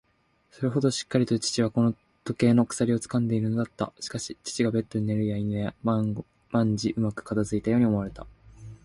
それほどしっかりと父はこの時計の鎖をつかんでいるのだった。しかし、父がベッドに寝るやいなや、万事うまく片づいたように思われた。